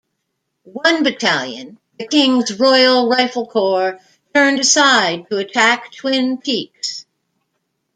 One battalion, the King's Royal Rifle Corps turned aside to attack Twin Peaks.